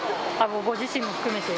ご自身も含めて。